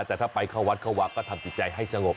แต่ถ้าไปเข้าวัดเข้าวัดก็ทำจิตใจให้สงบ